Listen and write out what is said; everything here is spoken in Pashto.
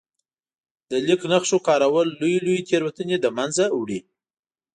د لیک نښو کارول لويې لويې تېروتنې له منځه وړي.